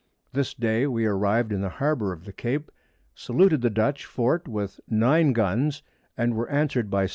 This Day we arriv'd in the Harbour of the Cape, saluted the Dutch Fort with 9 Guns, and were answer'd by 7.